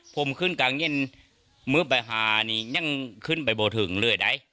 ผมขึ้นกลางเย็นเมื่อไปหานี่ยังขึ้นไปโบถึงเลยได้